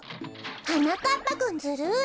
はなかっぱくんずるい！